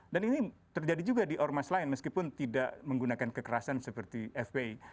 dan ini terjadi juga di ormas lain meskipun tidak menggunakan kekerasan seperti fpi